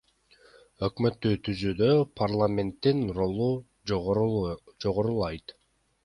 Өкмөттү түзүүдө парламенттин ролу жогорулайт.